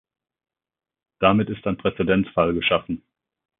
Damit ist ein Präzedenzfall geschaffen!